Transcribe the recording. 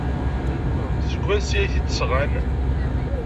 Seg wansi ay t-id-sɣan?